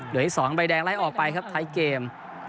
โดยที่๒ใบแดงไล่ออกไปครับท้ายเกม